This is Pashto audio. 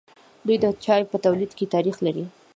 دوی د چای په تولید کې تاریخ لري.